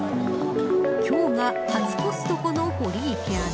今日が初コストコの堀池アナ。